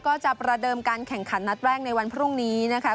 ก็จะประเดิมการแข่งขันนัดแรกในวันพรุ่งนี้นะคะ